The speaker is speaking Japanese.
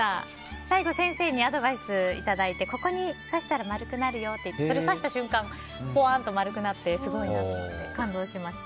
最後、先生にアドバイスいただいてここに挿したら丸くなるよって言われてそれを挿した瞬間ぽわんと丸くなってすごいなって感動しました。